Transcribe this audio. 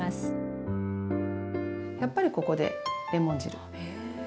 やっぱりここでレモン汁入れますよ。